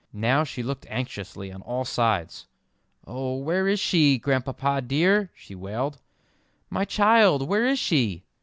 Now she looked anxiously on all sides. "Oh, where is she, Grandpapa dear?" she wailed, "my child; where is she?"